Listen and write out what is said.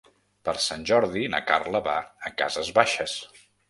Per Sant Jordi na Carla va a Cases Baixes.